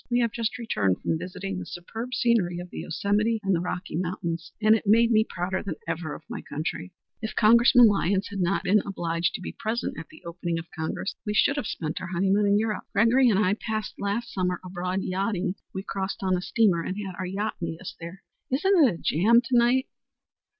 We have just returned from visiting the superb scenery of the Yosemite and the Rocky Mountains, and it made me prouder than ever of my country. If Congressman Lyons had not been obliged to be present at the opening of Congress, we should have spent our honeymoon in Europe." "Gregory and I passed last summer abroad yachting. We crossed on a steamer and had our yacht meet us there. Isn't it a jam to night?"